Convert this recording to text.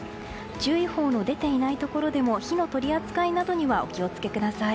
注意報の出ていないところでも火の取り扱いなどにはお気を付けください。